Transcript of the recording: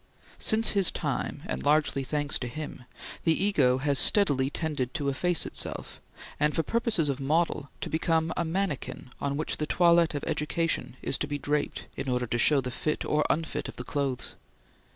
Since his time, and largely thanks to him, the Ego has steadily tended to efface itself, and, for purposes of model, to become a manikin on which the toilet of education is to be draped in order to show the fit or misfit of the clothes.